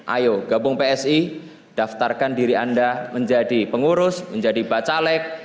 ayo gabung psi daftarkan diri anda menjadi pengurus menjadi bacalek